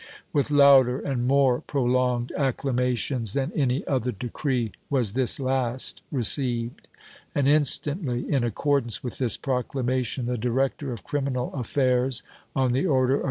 With louder and more prolonged acclamations than any other decree was this last received. And, instantly, in accordance with this proclamation, the director of criminal affairs, on the order of M.